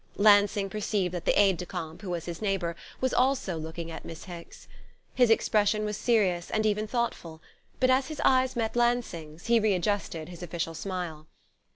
Lansing perceived that the aide de camp, who was his neighbour, was also looking at Miss Hicks. His expression was serious, and even thoughtful; but as his eyes met Lansing's he readjusted his official smile.